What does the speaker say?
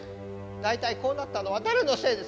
大体こうなったのは誰のせいです。